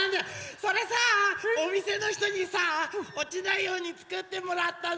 それさおみせのひとにさあおちないようにつくってもらったの！